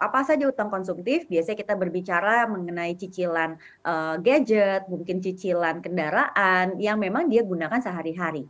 apa saja utang konsumtif biasanya kita berbicara mengenai cicilan gadget mungkin cicilan kendaraan yang memang dia gunakan sehari hari